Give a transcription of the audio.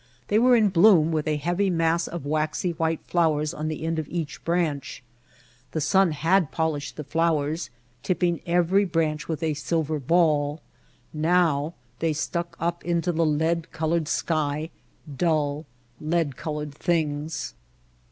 They were in bloom with a heavy mass of waxy white flowers on the end of each branch. The sun had polished the flowers, tip ping every branch with a silver ball ; now they stuck up into the lead colored sky, dull, lead colored things.